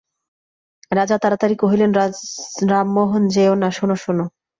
রাজা তাড়াতাড়ি কহিলেন, রামমোহন, যেয়ো না, শোনো শোনো।